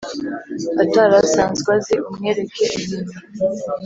atari asanzwe azi, umwereke ibintu